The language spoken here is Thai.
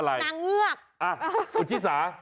อ่ะขุนที่สา